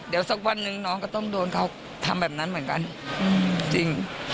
เดี๋ยวสักวันหนึ่งน้องก็ต้องโดนเขาทำแบบนั้นเหมือนกันจริง